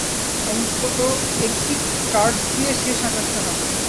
অন্তত একটি কার্স দিয়ে শেষ আঘাতটা হানো।